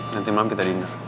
nanti malam kita dinner